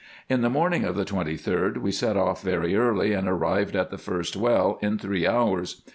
In the morning of the 23d we set off very early, and arrived at the first well in three hours.